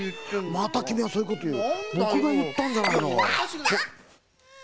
またそういうこという。